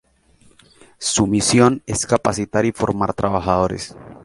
Su misión es capacitar y formar trabajadores.